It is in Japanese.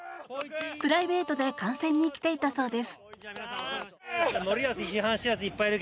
プライベートで観戦に来ていたそうです。